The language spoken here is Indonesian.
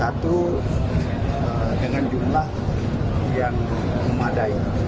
satu dengan jumlah yang memadai